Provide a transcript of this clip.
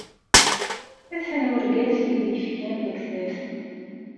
Atan wergaz i yi-d-ifkan taktabt.